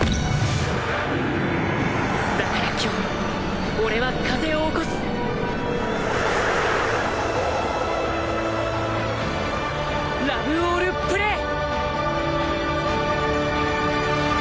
だから今日俺は風を起こす！ラブオールプレー！